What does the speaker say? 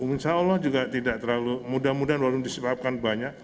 insya allah juga tidak terlalu mudah mudahan walaupun disebabkan banyak